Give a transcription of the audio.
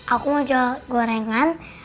aku mau jual gorengan